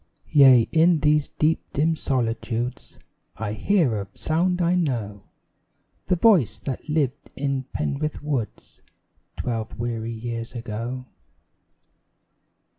Yea, in these deep dim solitudes I hear a sound I know The voice that lived in Penrith woods Twelve weary years ago.